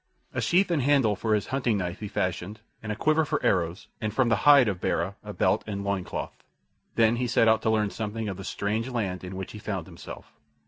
A sheath and handle for his hunting knife he fashioned, and a quiver for arrows, and from the hide of Bara a belt and loin cloth. Then he set out to learn something of the strange land in which he found himself.